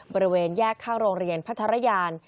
บริเวณแยกข้างโรงเรียนพัทรยาน